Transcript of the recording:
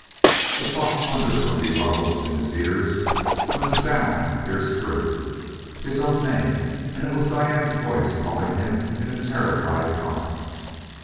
The soft thunder from below was in his ears when a sound pierced through. His own name! And it was Diane's voice calling him in a terrified tone.